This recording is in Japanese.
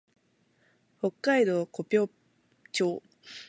北海道古平町